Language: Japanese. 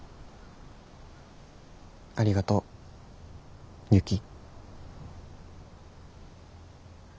ありがとうユキ。